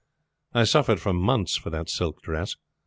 I suffered for months for that silk dress.